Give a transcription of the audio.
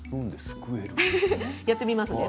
やってみますね。